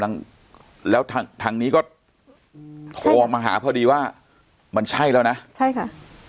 แล้วทางทางนี้ก็โทรมาหาพอดีว่ามันใช่แล้วนะใช่ค่ะ